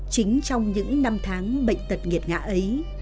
chính trong những năm tháng bệnh tật nghiệt ngã ấy